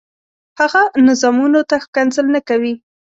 هغه نظامونو ته ښکنځل نه کوي.